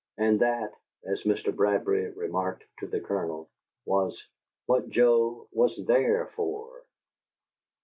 And that, as Mr. Bradbury remarked to the Colonel, was "what Joe was THERE for!"